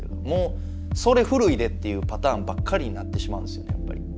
もうそれ古いでっていうパターンばっかりになってしまうんですよね。